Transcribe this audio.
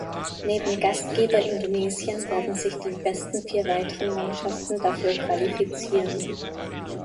Neben Gastgeber Indonesien werden sich die besten vier weiteren Mannschaften dafür qualifizieren.